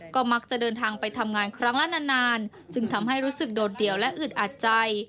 ก็มักจะเดินทางไปทำงานครั้งละนานจึงทำให้รู้สึกโดดเดี่ยวและอึดอัดใจ